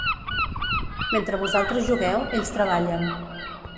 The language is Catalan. Mentre vosaltres jugueu, ells treballen.